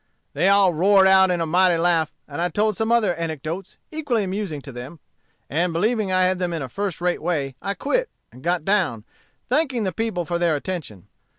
"They all roared out in a mighty laugh, and I told some other anecdotes, equally amusing to them, and believing I had them in a first rate way, I quit and got down, thanking the people for their attention.